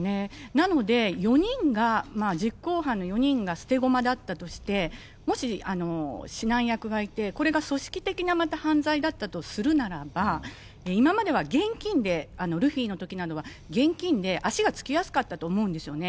なので、４人が実行犯の４人が捨て駒だったとして、もし指南役がいて、これが組織的なまた犯罪だったとするならば、今までは現金で、ルフィのときなどは現金で足がつきやすかったと思うんですよね。